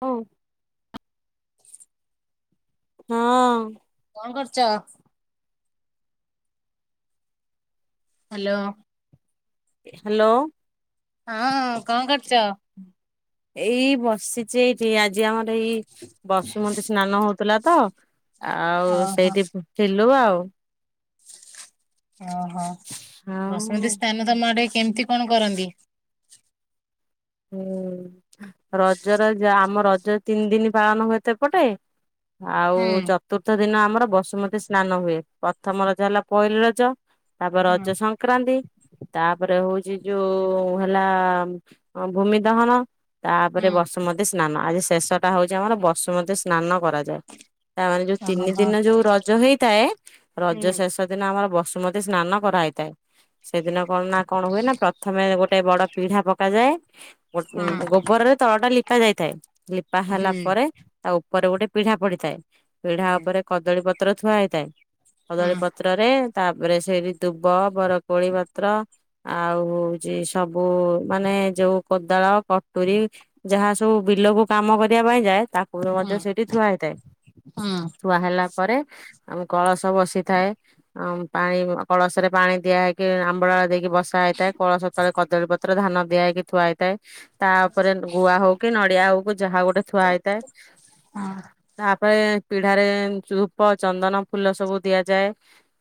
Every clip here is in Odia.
ହ [inaudible] ହଁ କ କରଚ [inaudible] ହ୍ୟାଲୋ ହାଲୋ। ହଁ କଣ କରୁଚ। ଏଇ ବସିଛି ଏଇଠି ଆ ଆମର ଏଇ ବସୁମତୀ ସ୍ନାନ ହଉ ଥିଲା ତ। ଆଉ ଓହୋ ସେଇଠିଥିଲି। ଲୋ ଆଉ ଓହୋ ବସୁମତୀ ଆଉ ସ୍ଥାନ ତମ ଆଡେ କେମିତି କଣ କରନ୍ତି। [inaudible] ହୁଁ ରଜର ଆମ ରଜ ତିନି ଦିନ ପାଳନ ହୁଏତ ଏପଟେ। ଆଉ ହୁଁ ଚତୁର୍ଥ ଦିନ ଆମର ବସୁ ମତି ସ୍ନାନ ହୁଏ। ପ୍ରଥମ ରଜ ହେଲା ପହଲି ରଜ। ତାପରେ ରଜ ହୁଁ ସଂକ୍ରାନ୍ତି ତାପରେ ହଉ ସେ ଯୋଉ ହେଲା। ହଁ ଭୂମି ଦହନ। ତାପରେ ହୁଁ ବସୁ ମତିସ ସ୍ନାନ ଆଜି ଶେଷ ଟା ହଉଛି ଆମର ବସୁ ମତି ସ୍ନାନ କରାଯାଏ। ତାମାନେ ଯୋଉ ଓହୋ ତିନି ଦିନ ଯୋଉ ରଜ ହେଇଥାଏ। ରଜ ହୁଁ ଶେଷ ଦିନ ଆମର ବ ବାସୁମତୀ ସ୍ନାନ କରାହେଇଥାଏ। ସେଦିନ କଣ ନା କଣ ହୁଏ ନା ପ୍ରଥମେ ଗୋଟେ ବଡ ପିଢା ପକାଯାଏ। ହଁ ଗୋବରରେ ତଳଟା ଲିପା କରା ଯାଇଥାଏ। ଲିପା ହୁଁ ହେଲା ପରେ ତା ଉପରେ ଗୋଟେ ପିଢା ପଡିଥାଏ। ପିଢା ହୁଁ ଉପରେ କଦଳୀ ପ ପତ୍ର ଥୁଆ ହେଇଥାଏ। କଦଳୀ ପତ୍ର ରେ--‌ ତାପରେ ସେଇ ଦୁବ ବର କୋଳି ପତ୍ର। ଆଉ ହଉଛି ସବୁ ମାନେ ଯୋଉ କୋଦାଳ କଟୁରୀ ଯାହା ସବୁ ବିଲକୁ କାମ କରିବା ପାଇଁ ଯାଏ ତାକୁ [unintelligible] ହୁଁ ହୁଁ ହୁଁ ମଧ୍ଯ ସେଇଠି ଥୁଆ ହେଇଥାଏ ଥୁଆ ହେଲା ପରେ କଳସ ବସିଥାଏ ପାଣି କଳସରେ ପାଣି ଦିଆ ହେଇକି ଆମ୍ବଡାଳ ଦେଇ ବସା ହେଇଥାଏ କଳଶ ତଳେ କଦଳୀ ପତ୍ର ଧାନ ବ୍ୟାଗ୍ ଥୁଆ ହେଇଥାଏ ତା ଉପରେ ଗୁଆ ହଉ କି ନଡିଆ ହଉ କି ଯାହା ଗୋଟେ ଥୁଆ ହେଇଥାଏ ହଁ ତା ତାପରେ ପିଢାରେ ଧୂପ ଚନ୍ଦନ ଫୁଲ ସବୁ ଦିଆଯାଏ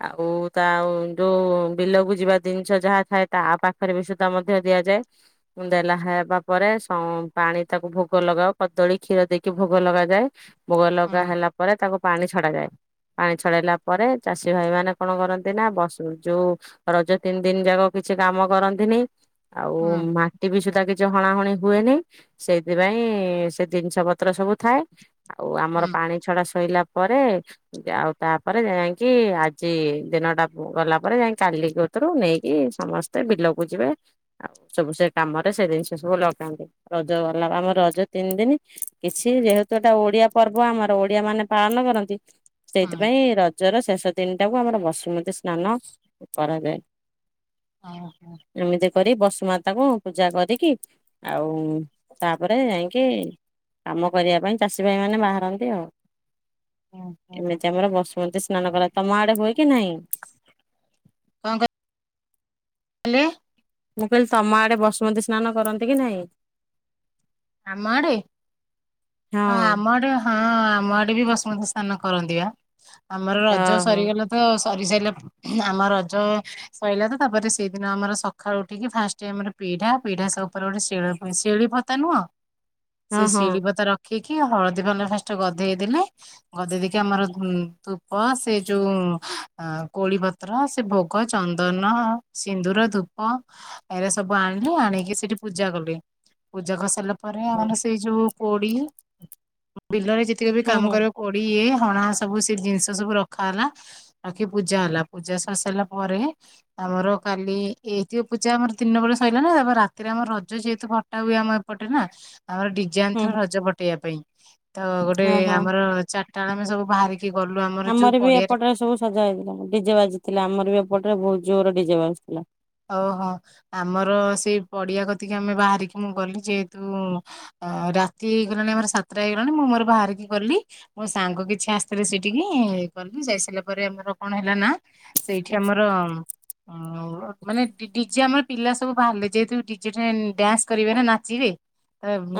ଆଉ ତା ଆଉ ଯୋଉ ବିଲକୁ ଯିବା ଜିନିଷ ଯାହା ଥାଏ ତା ପାଖରେ ବି ସୁଦ୍ଧା ମଧ୍ୟ ଦିଆଯାଏ। ଦେଲା ହେବା ପରେ ପାଣି ତାକୁ ଭୋଗ ଲଗାଉ କଦଳୀ କ୍ଷୀର ଦେଇକି ଭୋଗ ଲଗାଯାଏ। ଭୋଗ ହଁ ଲଗା ହେଲା ପରେ ତାଙ୍କୁ ପାଣି ଛଡାଯାଏ। ପାଣି ଛଡେଇଲା ପରେ ଚାଷୀ ଭାଇ ମାନେ କଣ କରନ୍ତି ନା ଯୋଉ ରଜ ତିନି ଦିନ ଯାକ କିଛି କାମ କରନ୍ତିନି ଆଉ ହଁ ମା ଟି ବି ସୁଦ୍ଧା କିଛି ହଣାହଣି ହୁଏନେଇ ସେଇଥିପାଇଁ ସେ ଜିନିଷ ପତ୍ର ସବୁ ଥାଏ ଆଉ ଆମର ହଁ ପାଣି ଛଡା ସଇଲା ପରେ ଆଉ ତାପରେ ଯାଇଁକି ଆଜି ଦିନଟା ଗଲା ପରେ ଯାଇି କାଲି କତରୁ ନେଇକି ସମସ୍ତେ ବିଲକୁ ଯିବେ ଆଉ ସବୁ ସେ କାମରେ ସେ ଜିନିଷ ସବୁ ଲଗାନ୍ତି। ରଜ ଗଲା ଆମ ରଜ ତିନି ଦିନି କିଛି ଯେହେତୁ ଏଟା ଓଡିଆ ପର୍ବ ଆମର ଓଡିଆ ମାନେ ପାଳନ କରନ୍ତି ହଁ ସେଇଥିପାଇଁ ରଜର ଶେଷ ଦିନଟାକୁ ଆମର ବସୁମତୀ ସ୍ନାନ କରାଯାଏ। ଅ ହୋ। ଏମିତି କରି ବସୁମାତାକୁ ପୂଜା କରିକି ଆଉ ତାପରେ ଯାଇଁକି କାମ କରିବା ପାଇଁ ଚାଷୀ ଭାଇ ମାନେ ବାହାରନ୍ତି ଆଉ। ଓହୋ ଏମିତି ଆମର ବସୁମତୀ ସ୍ନାନ କରାଯାଏ। ତମ ଆଡେ ହୁଏ କି ନାହିଁ? ହେଲେ ମୁଁ କହିଲି ତମ ଆଡେ ବସୁମତୀ ସ୍ନାନ କରନ୍ତି କି ନାହିଁ? ଆମ ଆଡେ ହଁ ଆମ ଆଡେ ହଁ। ହଁ ଆମ ଆଡେ ବି ବସୁମତୀ ସ୍ନାନ କରନ୍ତି ବା। ଆମର ରଜ ଓହୋ ସରିଗଲା ତ ସରି ସାରିଲା ଆମ ରଜ ସଇଲା ତ ତାପରେ ସେଇଦିନ ଆମର ସଖାଳୁ ଉଠିକି ଫାଷ୍ଟ ଆମର ପିଢା ପିଢାସ ଉପରେ ଗୋଟେ ଶିଳ ପୁଣି ଶିଳି ପୋତା ନୁହଁ ହଁ ସେ ହଁ। ଶିଳି ପୋତା ରଖି କି ହଳଦୀ କନା ଫାଷ୍ଟ ଗଦେଇ ଦେଲେ ଗଦେଇ ଦେଇକି ଆମର ଧୂପ ସେ ଯୋଉ କୋଳି ପତ୍ର ସେ ଭୋଗ, ଚନ୍ଦନ, ସିନ୍ଦୁର, ଧୂପ ଏଇରା ସବୁ ଆଣିଲି ଆଣିକି ସେଠି ପୂଜା କଲି। ପୂଜା କରିସାଇଲା ପରେ ହୁଁ ଆମର ସେଇ ଯୋଉ ପୋଡ଼ି ବିଲରେ ଯେତିକ ବି କାମ ହୁଁ କରିବ କୋଡ଼ି ଇଏ ହଣା ସବୁ ସେ ଜିନିଷ ସବୁ ରଖା ହେଲା ରଖି ପୂଜା ହେଲା। ପୂଜା ସରି ସାଇଲା ପରେ ଆମର କାଲି ଏଇ ଏତିକ ପୂଜା ଆମର ଦିନ ବେଳେ ସଇଲା ନା ତାପରେ ରାତିରେ ଆମର ରଜ ଯେହେତୁ ଫଟା ହୁଏ ଆମ ଏପଟେ ପଟେ ନା ଆମର ଡିଜେ ହୁଁ ଆନିଥିଲୁ ହୁଁ ରଜ ପଟେଇବା ପାଇଁ। ତ ଗୋଟେ ଓହୋ। ଆମର ଚା ରିଟା ବେଳେ ଆମେ ସବୁ ବାହାରିକି ଗଲୁ ଯୋଉ ଆମର ବି ପଡିଆରେ ଏପଟରେ ସବୁ ସଜା ହେଇଥିଲା। ଡିଜେ ବାଜି ଥିଲା ଆମର ବି ସେପଟରେ ବହୁତ ଜୋରରେ ଡିଜେ ବାଜୁଥିଲା। ଓହୋ ଆମର ସେଇ ପଡିଆ କତିକି ଆମେ ବାହାରିକି ମୁଁ ଗଲି ଯେହେତୁ ରାତି ହେଇଗଲାନେ ଆମର ସାତଟା ହେଇଗଲାଣି ମୁଁ ମୋର ବାହାରିକି ଗଲି ମୋ ସାଙ୍ଗ କିଛି ଆସିଥିଲେ ସେଇଠିକି କଲି ଯାଇସାରିଲା ପରେ ଆମର କଣ ହେଲା ନା ସେଇଠି ଆମର ମାନେ ଡି ଡିଜେ ଆମର ପିଲା ସବୁ ବାହାରିଲେ ଯେହେତୁ ଡିଜେ ଠେ ଡ୍ୟାନ୍ସ କରିବେ ନା ନାଚିବେ।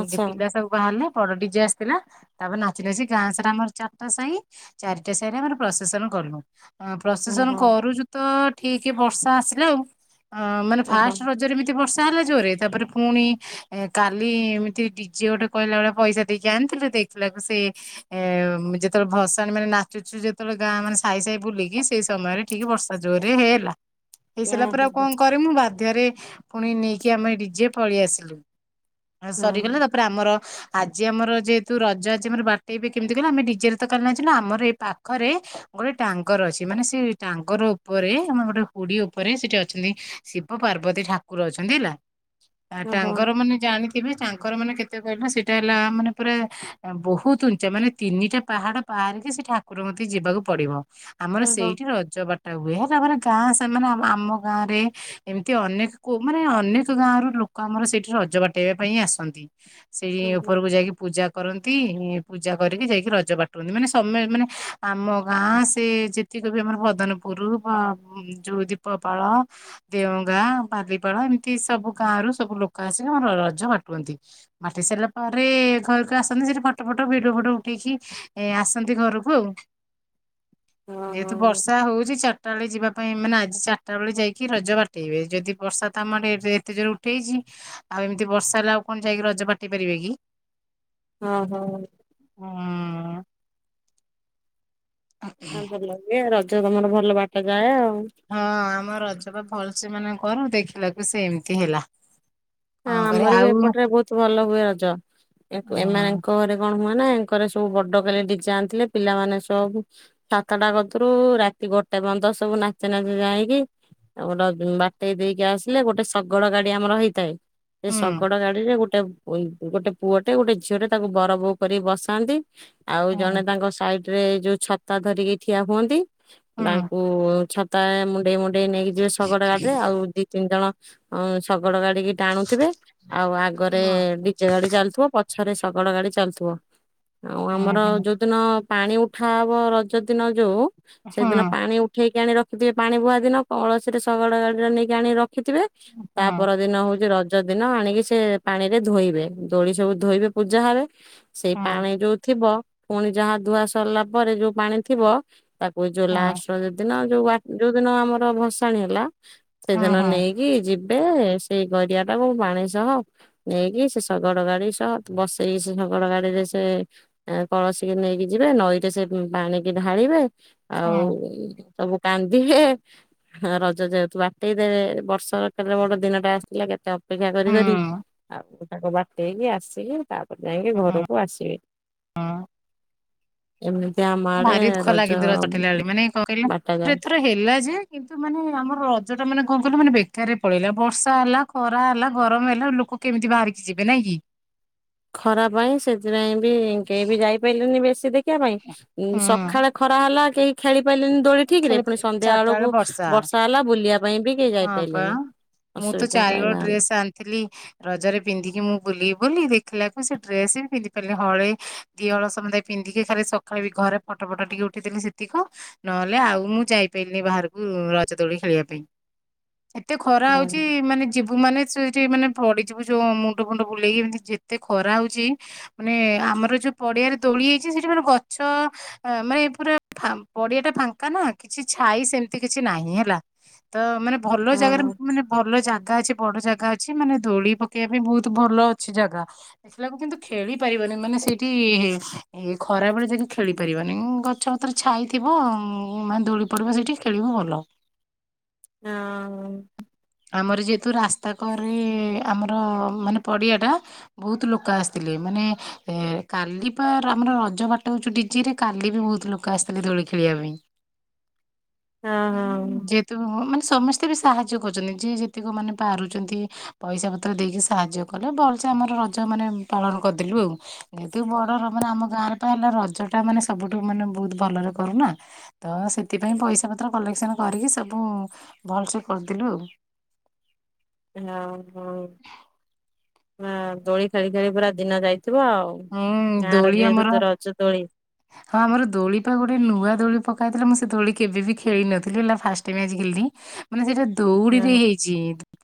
ଆଚ୍ଛା ପିଲା ସବୁ ବାହାରିଲେ। ବଡ ଡିଜେ ଆସିଥିଲା ତାପରେ ନାଚି ନାଚି ଗାଁ ସାରା ଟା ଆମର ଚାରିଟା ସାହି ଚାରିଟା ସାହି ରେ ଆମର ପ୍ରଶେସନ କଲୁ। ପ୍ରସେସନ ଓହୋ କରୁଛୁ ତ ଠିକ ବର୍ଷା ଆସିଲେ ଆଉ ଅ ମାନେ ଓହୋ ଫାଷ୍ଟ ରଜରେ ଏମିତି ବର୍ଷା ବର୍ଷା ହେଲା ଜୋର ରେ ତାପରେ ପୁଣି କାଲି ଏମିତି ଡିଜେ ଗୋଟେ କହିଲା ବଳିଆ ପଇସା ଦେଇକି ଆଣିଥିଲୁ ଦେଖିଲାକୁ ସେ ଯେତେବେଳେ ଭସାଣ ମାନେ ନାଚୁଛୁ ଯେତେବେଳେ ଗାଁ ମାନେ ସାଇ ସାଇ ବୁଲିକି ସେଇ ସମୟରେ ଠିକ ବର୍ଷା ଜୋରରେ ହେଏଲା। ଏଇସଲା ପୁର ଓହୋ କଣ କରେ ମୁଁ ବାର ମଧ୍ୟରେ ପୁଣି ନେଇକି ଆମେ ଡିଜେ ପଳେଇ ଆସିଲୁ ସରିଗଲା ଓହୋ। ତାପରେ ଆମର ଆଜି ଆମର ଯେହେତୁ ରଜ ଆଜି ଆମର ବାଟେଇବେ କେମିତି କହିଲ ଆମେ ଡିଜେ ରେ ତ କାଲି ଆଥିଲୁ ଆମର ଏଇ ପାଖରେ ଗୋଟେ ଟାଙ୍ଗର ଅଛି ମାନେ ସେଇ ଟାଙ୍ଗର ଉପରେ ଆମର ଗୋଟେ ହୁଡି ଉପରେ ସେଠି ଅଛି, ଶିବ ପାର୍ବତୀ ଠାକୁର ଅଛନ୍ତି ହେଲା ଆ ତାଙ୍କର ମାନେ ଜାଣି ତବେ ତାଙ୍କର ମାନେ କେତେ କହିଲା ସେଇଟା ହେଲା ମାନେ ପୁରା ବହୁତ ଉଞ୍ଚା ମାନେ ତିନିଟା ପାହାଡ ବାହାରିକି ସେ ଠାକୁର ମଧ୍ୟେ ଯିବାକୁ ପଡିବ ଆମର ଓହୋ ସେଇଠି ରଜ ବାାର୍ତ୍ [inaudible] ତା ବୁ ତା ଗାଁ ସେମାନେ ଆମ [inaudible] ଗାଁରେ ଏମିତି ଅନେକ ମାନେ ଅନେକ ଗାଁ ର ଲୋକ ଆମର ସେଇଠି ରଜ ବାଟେଇବା ପାଇଁ ଆସନ୍ତି, ସେଇଠି ଉପରକୁ ଯାଇକି ପୂଜା କରନ୍ତି ପୂଜା କରିକି ଯାଇକି ରଜ ବାଟନ୍ତି ମାନେ ସମୟ ମାନେ ଆମ ଗାଁ ସେ ଯେତିକ ବି ଆମର ପଦନପୁର ଯୋଉ ଦୀପ ପଳ ଦେଓଗା ବାଲିପାଳ ଏମିତି ସବୁ ଗାଁ ରରୁ ସବୁ ଲୋକ ଆସିକି ଆମର ରଜ ବାଟୁନ୍ତି ବାଟି ସାରିଲା ପରେ ଘରକୁ ଆସନ୍ତି ସେଠି ଫଟୋ ଫଟ ଭିଡିଓ ଫଟ ଉଠେଇକି ଏ ଆସନ୍ତି ଘରକୁ ଆଉ ଯେତୁ ବର୍ଷା ହଉଛି ଚାରିଟା ବେଳେ ଯିବା ଭ ଏ ମାନ ନା ଆଜି ଚା [inaudible] ଚଟା ବେଳେ ଯାଇକି ରଜ ବାଟେଇବେ ଯଦି ବର୍ଷା ତ ଆମର ଏତେ ଜୋର ଉଠେଇଛି ଆଉ ଏମିତି ବର୍ଷା ହେଲେ ଆଉ କଣ ଯାଇକି ରଜ ବାଟି ପାରିବେ କି ହଁ ହଁ ଆ [inaudible] ହପ ର [inaudible] ତମର ଭଲ ବାଟ ଗାଏ ଆଉ ହଁ ଆମ ରଜ ବା ଭଲସେ ମାନେ କର ଦେଖିଲାକୁ ସେ ଏମିତି ହେଲା ହଁ କଣ କରେ ଆମର ବି ଆଉ ଉଁ ଏପଟରେ ବହୁତ ଭଲ ହୁଏ ରଜ ହୁଁ ଏମାନଙ୍କ ଘରେ କଣ ହୁଏ ନାଙ୍କର ସବୁ ବଡ କାଲି ଟିକେ ଯାଣିଥିଲେ ପିଲାମାନେ ସବୁ ସାତଟା କଥରୁ ରାତି ଗୋଟେ ପର୍ଯ୍ୟନ୍ତ ସବୁ ନାଚେ ନାଚେ ଯାଇକି ଗୋଟେ ବାଟେଇ ଦେଇକି ଆସିଲେ ଗୋଟେ ଶଗଡ ଗାଡି ଆମର ହେଇଥାଏ ଏ ହୁଁ ଶଗଡ ଗାଡିରେ ଗୋଟେ ଗୋଟେ ଗୋଟେ ପୁଅଟେ ଗୋଟେ ଝିଅ ଟରେ ତାକୁ ବର ବୋଉ କରିକି ବସାନ୍ତି। ଆଉ ଜଣେ ହୁଁ ତାଙ୍କ ସାଇଟ ରେ ଯୋଉ ଛତା ଧରିକି ଠିଆ ହୁଅନ୍ତି। ହୁଁ ତାଙ୍କୁ ଛ ମୁଣ୍ଡେ ମୁେ ଗୋଟେଇ ନେଇକି ଯିବେ ଶଗଡ଼ ଗଡ ରେ ଆଉ ଦି ତିନି ଜଣ ହଁ ସବୁ ବଡ଼ ଗାଡିିକ ଟଣୁ ଆଉ ଆଗରେ ନିଚେ ଗାଡି ଚାଲଥିବ ପଛରେ ଶକାଳ ଗାଡି ଚାଲୁଥିବ। ଆଉ ହୁଁ ଆମର ହୁଁ ଯୋଉଦିନ ପାଣି ଉଠା ହବ ରଜ ଦିନ ଯୋଉ ସେଦିନ ହୁଁ ପାଣି ଉଠେଇି ଆଣି ରଖଥିବେ ପାଣି ବୁହା ଦିନ କଳସିରେ ଶଗଡ଼ ଗାଡ଼ି ରେ ନେଇକି ଆଣି ରଖି ରଖିଥିବେ ତାପ ଦିନ ହଉଛି ରଜ ରଜ ଦିନ ଆଣିକି ସେ ପାଣି ରେ ଧୋଇବେ ଦୋଳି ସବୁ ଧୋଇବେ ପୂଜା ହେବେ ସେଇ ପାଣି ଯୋଉ ଥିବ। ପୁଣି ଯାହା ଧୁଆ ସରିଲା ପରେ ଯୋଉ ପାଣି ଥିବ ତାକୁ ଜୋଲା ଆସ ଯଦି ଯୋଉ [unintelligible] ଯୋଉ ଦିନ ଆମର ଭସାଣିୀ ହେଲା ସେଦିନ ନେଇକି ଯ ଦେ ସେଇ ଘର ଦଆ [unintelligible] ଟାକୁୋ ପାଣି ସହ ନେଇକି ସେ ଶଗଡ ଗାଡି ସହ ବସେଇକି ସେ ଶଗଡ ଗାଡିରେ ସେ କଳସୀିକି ନେଇକି ଯିବେ ନଈରେ ସେ ପାଣିକି ଢାଳିବେ। ଆଉ ସବୁ କାନ୍ଦିହେ ରଜ ଯାଉଥିବ ବାଟେଇ ଦେବେ ବର୍ଷ କ ବୋଟ ଦିନ ଟା ଆସିଥିଲା କେତେ ଅପେକ୍ଷା କରି କରି ଆଉ ତାକୁ ବାଟେଇକି ଆସିକି ତାପରେ ଯାଇକି ଘରକୁ ଆସିବି। ଏି [unintelligible] ଭାରି ଦୁଃଖ ଲାଗି ର ଚଟିଲାେଳେ ମାନେ କଣ କହିଲ ବାଟାଯାଏ। ଏଥର ହେଲା ଯେ କିନ୍ତୁ ମାନେ ଆମର ରଜ ଟା ମାନେ କଣ କହିଲ ମାନେ ବେକାରରେ ପଳେଇିଲା ବର୍ଷା ହେଲା ଖରା ହେଲା ଗରମ ହେଲା ଲୋକ କେମିତି ବାହାରିକି ଯିବେ ନାଇଁ କି। ଖରା ପାଇଁ ସେଥିପାଇଁ ବି କେହି ବି ଯାଇପାରିଲେନି ବେଶୀ। ଶଖିବା ପାଇଁ ଉ ସକାଳେ ଖରା ହେଲା କେଇ ଖେଳି ପାଇଲେନି ଦୋଳି ଠିକ ଖେ ରେ ପୁଣି ସନ୍ଧ୍ୟା ଚାରିଟା ବେଳେ ବେଳକୁ ବର୍ଷା ହେଲା ବୁଲିବା ପାଇଁ ବି କେହି ହଁ ପା ଯାଇପାରିଲେନି ମୁଁ ତ ଅସୁବିଧା ହେଲା ଚାରି ବଳ ଏଇଆ ହେଲା। ଡ୍ରେସ ଆଣିଥିଲି ରଜରେ ପିନ୍ଧିକି ମୁଁ ବୁଲି ବୁ ଦେଖିଲାକୁ ସେ ଡ୍ରେସ ବି ପିନ୍ଧି ପାରିଲି ହଳେଇ ଦିହଳ ସମୟ ପିନ୍ଧିକି ଖାଲି ସକାଳେ ବି ଘରେ ଫଟୋ ଫଟ ଟିକେ ଉଠେଇଥିଲି ସେତିକି ନହେଲେ ଆଉ ମୁଁ ଯାଇପାରିଲିନି ବାହାରକୁ ରଜ ଦୋଳି ଖେଳିବା ପାଇଁ। ଏତେ ଖରା ହଁ ହଉଛି ମାନେ ଯିବୁ ମାନେ ଠି ମାନେ ପଡିଯିବୁ ଯୋଉ ମୁଣ୍ଡ ଫୁଣ୍ଡ ବୁଲେଇକି ଏମତି ଯେତେ ଖରା ହଉଛି ମାନେ ଆମର ଯୋଉ ପଡିଆରେ ଦୋଳି ହେଇଛି ସେଠି ମା ଗଛ ମାନେ ପୁରା ପଡିଆ ଟା ଫାଙ୍କା ନା କିଛି ଛାଇ ସେମିତି କିଛି ନାହିଁ ହେଲା ତ ମାନେ ଭଲ ଜାଗାରେ ହଁ ମାନେ ଭଲ ଯାଆନ୍ତି ଜାଗା ଅଛି ବଡ ଜାଗା ଅଛି ମାନେ ଦୋଳି ପକେଇବା ପାଇଁ ବହୁତ ଭଲ ଅଛି ଜାଗା ଦେଖିଲାକୁ କିନ୍ତୁ ଖେଳି ପାରିବନି ମାନେ ସେଇଠି ଏ ଖରାବେଳେ ଜାଗା ଖେଳି ପାରିବାନି ଗଛ ପତର ଛାଇଥିବ ଉୁଁ ମାନେ ଦୋଳି ପଡିବ ସେଇଠି ଖେଳିବୁ ଭଲ। ହଁ ଆମର ଯେହେତୁ ରାସ୍ତା କରେ ଆମର ମାନେ ପଡ଼ିଆ ଟା ବହୁତ ଲୋକ ଆସିଥିଲେ ମାନେ କାଲି ବା ଆମର ରଜ ବାଟ ହଉଛୁ ଡିଜିରେ କାଲି ବି ବହୁତ ଲୋକ ଆସିଥିଲେ ଦୋଳି ଖେଳିବା ପାଇଁ ହଁ ଯେ ତୁ ହ [inaudible] ସମସ୍ତେ ବି ସାହାଯ୍ୟ କରୁଛନ୍ତି। ଯିଏ ଯେତିକି ମାନେ ପାରୁଛନ୍ତି ପଇସା ପତ୍ର ଦେଇକି ସାହାଯ୍ୟ କଲେ ଭଲସେ ଆମର ରଜ ମାନେ ପାଳନ କରିଦେଲୁ ଆଉ ଯେତିକୁ ବଡର ମାନେ ଆମ ଗାଁରେ ପାଇଁ ହେଲା ରଜ ଟା ମାନେ ସବୁଠୁ ମାନେ ବହୁତ ଭଲରେ କରୁନା ତ ସେଥିପାଇଁ ପଇସା ପତ୍ର କଲେକ୍ସନ କରିକି ସବୁ ଭଲସେ କରିଦେଲୁ ଆଉ ହଁ ହଁ ଦୋଳି ଖେଳି ଖେଳି ପୁରା ଦିନ ଯାଇ ଥିବ ଆଉ ହୁଁ ଗାଁର ଦୋଳି ଆମର ଯେହେତୁ ତୋର ଅଛ ତୋଳି ହଁ ଆମର ଦୋଳି ପା ଗୋଟେ ନୂଆ ଦୋଳି ପକାଇଥିଲା ମୁଁ ସେ ଦୋଳି କେବେ ବି ଖେଳି ନଥିଲି ହେଲା ଫାଷ୍ଟ ମ୍ୟାଚ ଖି ମାନେ ସେଟା ଦୌଡ଼ିରେ ହଁ ହେଇଛି।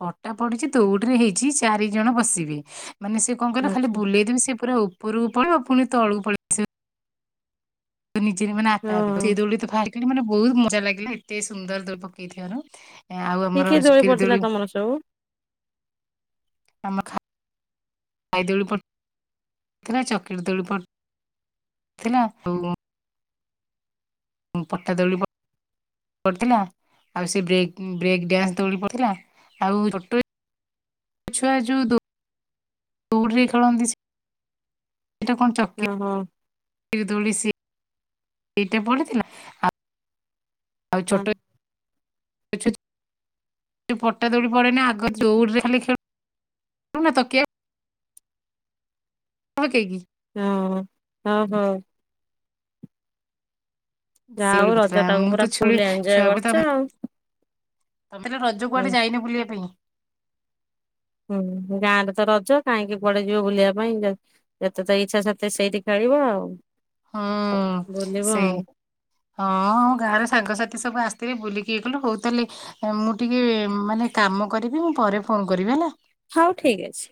ଫଟା ପଡିଛି ଦୌଡିରେ ହେଇଛି ଚାରି ଜଣ ବସିବେ ମାନେ ସେ କିଲ ଖା ଆଚ୍ଛା ବୁେଇଦେି ସେ ପୁରା ଉପରକୁ ପଳିବ ପୁଣି ତ ଅଳକୁ ପଳେଇିବ ନିଜେରେ ମାନେ ହଁ। ସେ ମାନେ ବହୁତ ମଜା ଲାଗିଲା ଏତେ ସୁନ୍ଦର ଦ ପକେଇଥିବାର କି କିଏ ଦୋଳି ପଡିଥିଲା ତମର ସବୁ ଆମଖା [inaudible] ଗାଇ ଦୋଳି ପଟ ନା ଚକଟ ଦୋଳି ପଟ ଥିଲା ତ ପଠା ଦୌଳି ପଥିଲା ଆଉ ସେ ବ୍ରେକ୍ ବ୍ରେକ୍ ଡ୍ୟାନ୍ସ ଦଉଳି ପଥିଲା ଆଉ ଟ ଛୁଆ ଯୋଉ ଦୋରରେ ଖେଳନ୍ତି। ଏଟ କଣ ଓହୋ ଚକ୍କି [inaudible] ଦଳି ସି ସେଇଟା ପଢ଼ଥିଲା ଆଉ ହଁ ଛୋଟ- ପଟା ଦୌଡ଼ି ପଡେ ନା ଆଗଉରେ ଖାଲିେଳ ତକ ଓ କେହି କିି? ହଁ ହ ହୋ। ଯାହା ହଉ ସେଇଠି ରଜ ଥିଲା ଟାକୁ ମୁଁ ପୁରା ତ ଛୁଆ ଫୁଲ ଏଞ୍ଜୟ ଛୁଆ କରିଛ ତାପରେ ଆଉ। ତମେ ତ ରଜ ହୁଁ କୁଆଡେ ଯାଇନ ବୁଲିବା ପାଇଁ ହୁଁ ଗାଁରେ ତ ରଜ କାହିଁକି କୁଆଡେ ଯିବ ବୁଲିବା ପାଇଁ ଯେତ ଯେତେ ତ ଇଚ୍ଛା ସେତେ ସେଇଠି ଖେଳିବ ଆଉ ହଁ ବୁଲିବ ସେଇ ଆଉ ହଁ ଗାଁ ରେ ସାଙ୍ଗସାଥି ସବୁ ଆସ ରେ ବୁଲିକି ଇଏ କଲୁ ହଉ ତାହେଲେ ଅ ମୁଁ ଟିକେ ମାନେ କାମ କରିବି ମୁଁ ପରେ ଫୋନ କରିବି ହେଲା ହଉ ଠିକ ଅଛି।